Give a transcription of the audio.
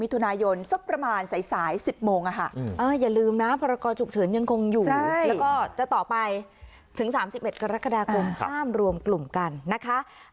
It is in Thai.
ถึง๓๑กรกฎาคมข้ามรวมกลุ่มกันนะคะ